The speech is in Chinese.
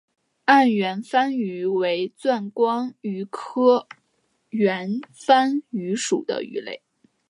暗圆帆鱼为钻光鱼科圆帆鱼属的鱼类。